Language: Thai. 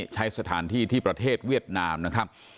ใช้สถานที่ที่ประเทศเวียดนามนะครับ